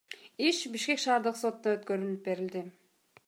Иш Бишкек шаардык сотуна өткөрүлүп берилди.